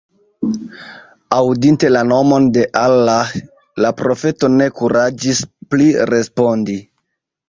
Aŭdinte la nomon de Allah, la profeto ne kuraĝis pli respondi.